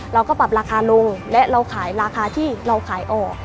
เราก็ปรับราคาลงและเราขายราคาที่เราขายออก